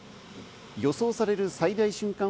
予想される最大瞬間